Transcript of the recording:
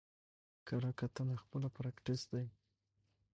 کره کتنه خپله پاراټيکسټ دئ.